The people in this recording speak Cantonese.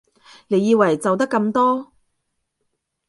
你以為就得咁多？